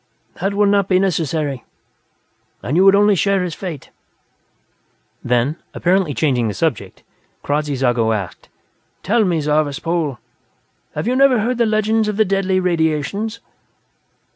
"That would not be necessary, and you would only share his fate." Then, apparently changing the subject, Kradzy Zago asked: "Tell me, Zarvas Pol; have you never heard the legends of the Deadly Radiations?"